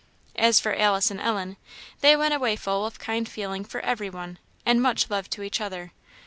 As for Alice and Ellen, they went away full of kind feeling for every one, and much love to each other.